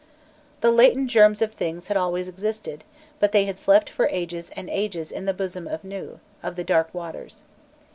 The latent germs of things had always existed, but they had slept for ages and ages in the bosom of the Nû, of the dark waters.